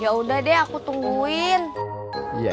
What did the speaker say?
ya udah deh aku tungguin